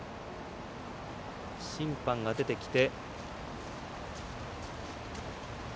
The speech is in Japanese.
審判が出てきて。